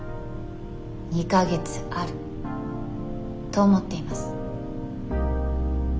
２か月あると思っています。